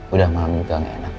udah malam juga nggak enak